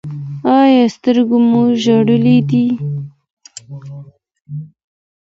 ایا سترګې مو ژیړې دي؟